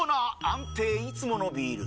安定いつものビール！